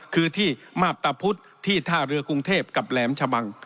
คือที่มาพตะพุธที่ท่าเรือกรุงเทพกับแหลมชะบัง